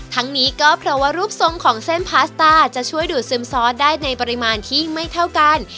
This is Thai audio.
ทั้งนี้ก็เพราะว่ารูปทรงของเส้นพาสต้าจะช่วยดูดซึมซอสได้ในปริมาณที่ไม่เท่ากัน